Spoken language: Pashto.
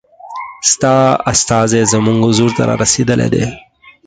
ستا استازی زموږ حضور ته را رسېدلی دی.